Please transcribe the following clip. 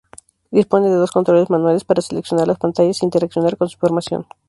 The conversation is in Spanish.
Dispone de dos controles manuales para seleccionar las pantallas e interaccionar con su información.